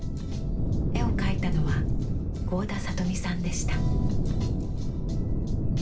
絵を描いたのは合田里美さんでした。